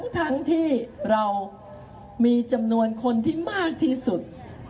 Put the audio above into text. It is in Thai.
ทั้งที่เรามีจำนวนคนที่มากที่สุด